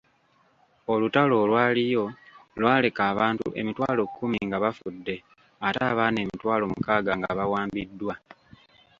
Olutalo olwaliyo lwaleka abantu emitwalo kumi nga bafudde ate abaana emitwalo mukaaga nga bawambiddwa.